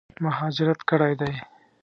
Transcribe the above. مهاجرت کړی دی.